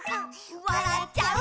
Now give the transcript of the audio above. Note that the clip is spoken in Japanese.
「わらっちゃう」